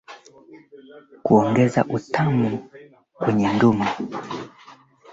walikuwa katika eneo karibu na mto wa Jari